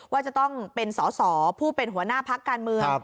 ว่าจะต้องเป็นสอสอผู้เป็นหัวหน้าพักการเมือง